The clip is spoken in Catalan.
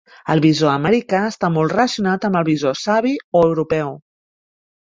El bisó americà està molt relacionat amb el bisó savi o europeu.